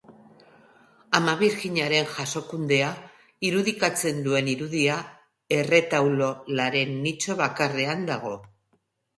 Ama Birjinaren Jasokundea irudikatzen duen irudia erretaularen nitxo bakarrean dago.